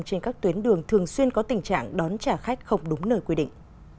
trên các tuyến đường thường xuyên có tình trạng đón trả khách không đúng nơi quy định